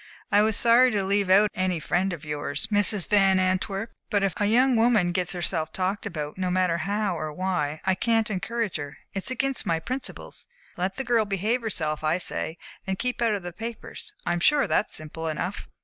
I was sorry to leave out any friend of yours, Mrs. Van Antwerp; but if a young woman gets herself talked about, no matter how or why, I can't encourage her it's against my principles. Let the girl behave herself, I say, and keep out of the papers. I'm sure that's simple enough."